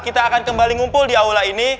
kita akan kembali ngumpul di aula ini